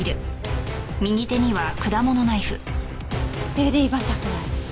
レディバタフライ。